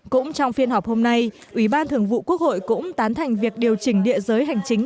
cũng trong phiên họp hôm nay ủy ban thường vụ quốc hội cũng tán thành việc điều chỉnh địa giới hành chính